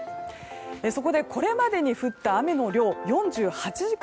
そこでこれまでに降った雨の量４８時間